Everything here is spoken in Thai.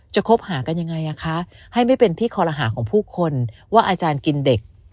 คบหากันยังไงคะให้ไม่เป็นที่คอลหาของผู้คนว่าอาจารย์กินเด็ก